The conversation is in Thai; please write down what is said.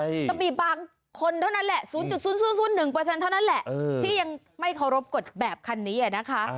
ก็มีบางคนเท่านั้นแหละ๐๐๑เท่านั้นแหละที่ยังไม่เคารพกฎแบบคันนี้นะคะ